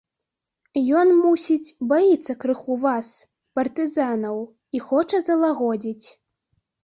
Ён, мусіць, баіцца крыху вас, партызанаў, і хоча залагодзіць.